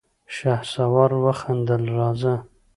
شهسوار وخندل: راځه!